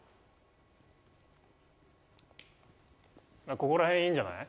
ここら辺、いいんじゃない？